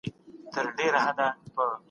تاسو باید په خپلو زده کړو کي هیڅ سستي ونه کړئ.